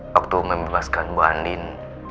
waktu membebaskan bu andin